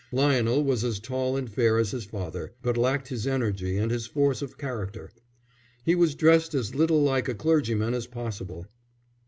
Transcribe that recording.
Lionel was as tall and fair as his father, but lacked his energy and his force of character. He was dressed as little like a clergyman as possible.